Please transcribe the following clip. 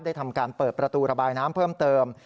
ทำการเปิดประตูระบายน้ำเพิ่มเติม